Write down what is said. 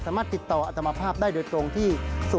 สามารถติดต่ออัตมาภาพได้โดยตรงที่สุด